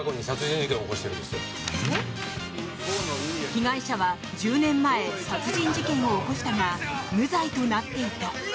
被害者は１０年前殺人事件を起こしたが無罪となっていた。